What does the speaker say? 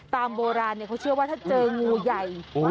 โบราณเขาเชื่อว่าถ้าเจองูใหญ่